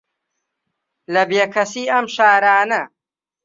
لە بێکەسی ئەم شارانە